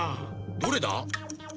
どれだ？